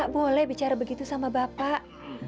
boleh bicara begitu sama bapak